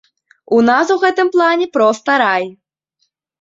У нас у гэтым плане проста рай.